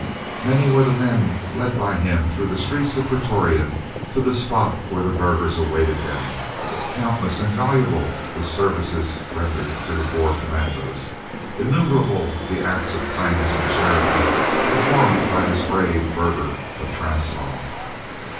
Many were the men led by him through the streets of Pretoria to the spot where the burghers awaited them, countless and valuable the services rendered to the Boer commandos, innumerable the acts of kindness and charity performed by this brave burgher of Transvaal.